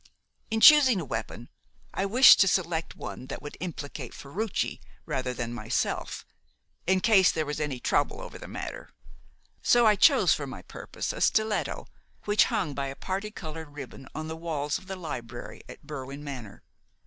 In choosing a weapon, I wished to select one that would implicate Ferruci rather than myself, in case there was any trouble over the matter; so I chose for my purpose a stiletto which hung by a parti coloured ribbon on the walls of the library at Berwin Manor.